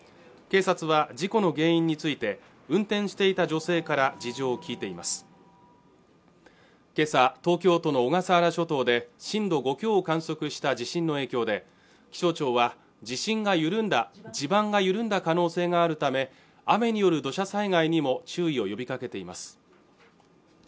警察は事故の原因について運転していた女性から事情を聞いていますけさ東京都の小笠原諸島で震度５強を観測した地震の影響で気象庁は地盤が緩んだ可能性があるため雨による土砂災害にも注意を呼びかけています